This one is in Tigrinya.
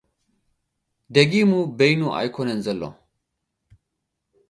ደጊሙ በይኑ ኣይኮነን ዘሎ።